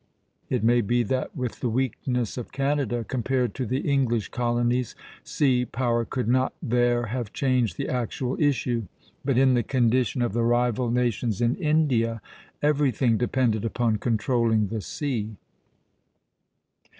It may be that with the weakness of Canada, compared to the English colonies, sea power could not there have changed the actual issue; but in the condition of the rival nations in India everything depended upon controlling the sea.